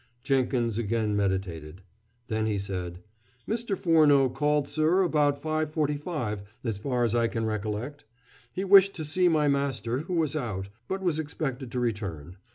Jenkins again meditated. Then he said: "Mr. Furneaux called, sir, about 5.45, as far as I can recollect. He wished to see my master, who was out, but was expected to return.